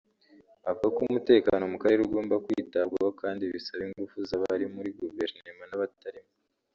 Avuga ko umutekano mu karere ugomba kwitabwaho kandi bisaba ingufu z’abari muri guverinoma n’abatarimo